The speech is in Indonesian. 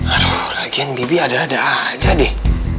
aduh lagian bibi ada ada aja deh